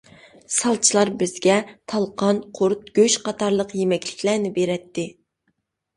سالچىلار بىزگە تالقان، قۇرۇت، گۆش قاتارلىق يېمەكلىكلەرنى بېرەتتى.